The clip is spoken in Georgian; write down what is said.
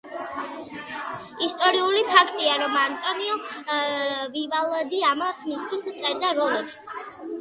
ისტორიული ფაქტია, რომ ანტონიო ვივალდი ამ ხმისთვის წერდა როლებს.